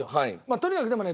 とにかくでもね